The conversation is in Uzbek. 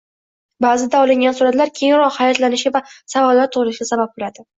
Ba’zida olingan suratlar keyinroq hayratlanishga va savollar tug‘ilishiga sabab bo‘ladi